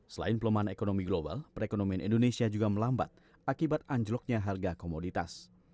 selain pelemahan ekonomi global perekonomian indonesia juga melambat akibat anjloknya harga komoditas